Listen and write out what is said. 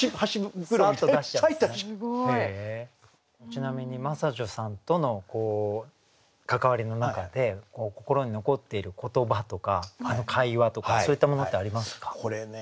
ちなみに真砂女さんとの関わりの中で心に残っている言葉とか会話とかそういったものってありますか？